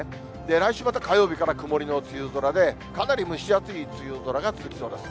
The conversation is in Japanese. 来週また火曜日から、曇りの梅雨空で、かなり蒸し暑い梅雨空が続きそうです。